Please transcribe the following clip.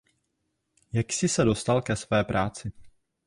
Jak jsi se dostal ke své práci?